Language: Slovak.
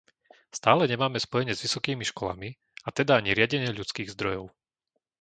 Stále nemáme spojenie s vysokými školami, a teda ani riadenie ľudských zdrojov.